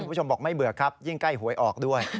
คุณผู้ชมบอกไม่เบื่อครับยิ่งใกล้หวยออกด้วย